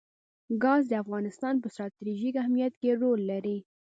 ګاز د افغانستان په ستراتیژیک اهمیت کې رول لري.